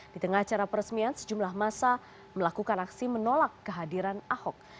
di tengah acara peresmian sejumlah masa melakukan aksi menolak kehadiran ahok